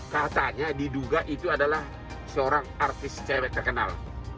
katanya diduga itu adalah seorang artis cewek terkenal